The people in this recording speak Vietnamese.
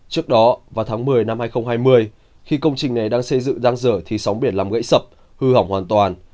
trước đó vào tháng một mươi năm hai nghìn hai mươi khi công trình này đang xây dựng giang dở thì sóng biển làm gãy sập hư hỏng hoàn toàn